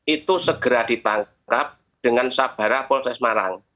itu segera ditangkap dengan sabara polres semarang